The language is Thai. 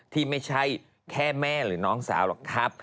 ที่ไม่ใช่แค่แม่หรือน้องสาวหรอกครับ